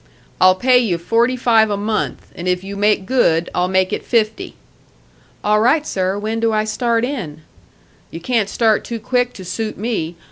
"I'll pay you forty five a month, and if you make good I'll make it fifty." "All right, sir. When do I start in?" "You can't start too quick to suit me.